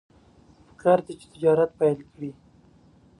پکار ده چې تجارت پیل کړي.